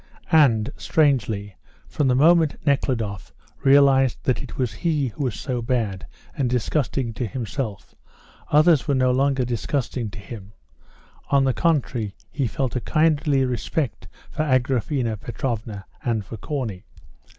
And, strangely, from the moment Nekhludoff realised that it was he who was so bad and disgusting to himself, others were no longer disgusting to him; on the contrary, he felt a kindly respect for Agraphena Petrovna, and for Corney.